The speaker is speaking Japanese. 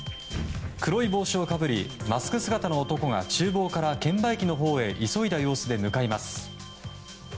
黒い帽子をかぶりマスク姿の男が厨房から券売機のほうへ急いだ様子で向かいます。